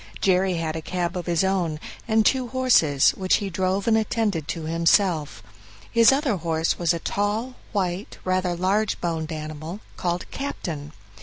Jerry had a cab of his own, and two horses, which he drove and attended to himself. His other horse was a tall, white, rather large boned animal called "Captain".